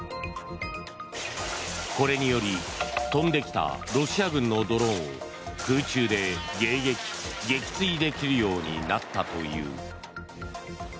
これにより飛んできたロシア軍のドローンを空中で迎撃・撃墜できるようになったという。